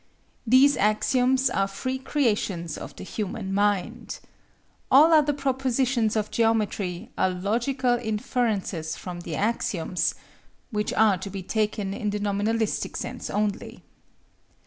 These axioms are free creations of the human mind. All other propositions of geometry are logical inferences from the axioms (which are to be taken in the nominalistic sense only).